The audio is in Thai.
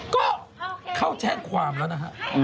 ก็เข้าแจ้งความแล้วนะฮะ